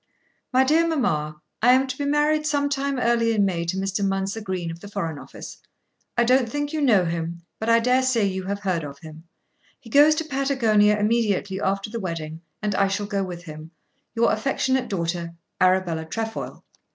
"My dear mamma. I am to be married some time early in May to Mr. Mounser Green of the Foreign Office. I don't think you know him, but I daresay you have heard of him. He goes to Patagonia immediately after the wedding, and I shall go with him. Your affectionate daughter, Arabella Trefoil."